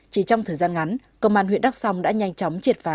chỉ trong thời gian ngắn công an huyện đắk song đã nhanh chóng triệt phá